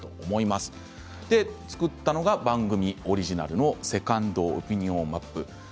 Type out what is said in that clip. そこで作ったのが番組オリジナルのセカンドオピニオンマップです。